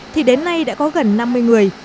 thì đến nay đã có gần năm mươi người